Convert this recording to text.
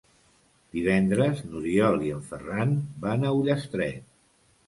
Divendres n'Oriol i en Ferran van a Ullastret.